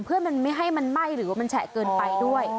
เพื่อไม่ให้มันไหม้หรือแฉะเกินไปด้วย